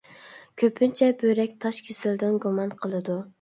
كۆپىنچە بۆرەك تاش كېسىلىدىن گۇمان قىلىدۇ.